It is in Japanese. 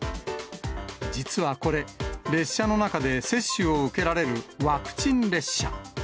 実はこれ、列車の中で接種を受けられる、ワクチン列車。